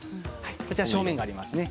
こちらには正面があります。